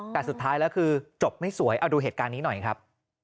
แต่สุดท้ายแล้วคือจบไม่สวยเอาดูเหตุการณ์นี้หน่อยครับ